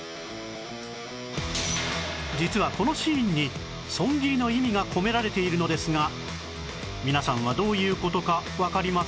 実はこのシーンに「損切り」の意味が込められているのですが皆さんはどういう事かわかりますか？